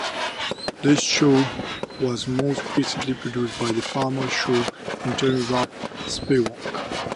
The show was most recently produced by former show intern Robb Spewak.